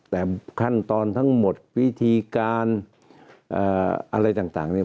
แต่ขั้นตอนทั้งหมดวิธีการอะไรต่างเนี่ย